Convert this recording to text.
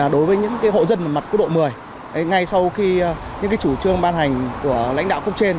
đối với những hộ dân mặt quốc độ một mươi ngay sau khi những chủ trương ban hành của lãnh đạo cấp trên